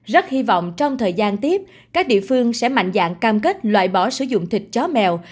rất hy vọng trong thời gian tiếp các địa phương sẽ mạnh dạn cam kết loại bỏ sử dụng thịt chó mèo